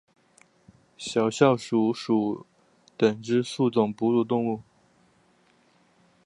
小啸鼠属等之数种哺乳动物。